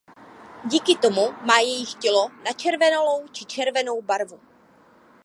Díky tomu má jejich tělo načervenalou či červenou barvu.